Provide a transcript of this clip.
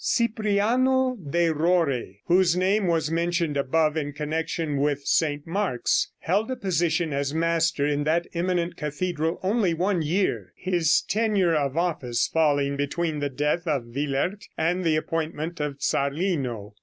Cypriano de Rore, whose name was mentioned above in connection with St. Mark's, held a position as master in that eminent cathedral only one year, his tenure of office falling between the death of Willaert and the appointment of Zarlino.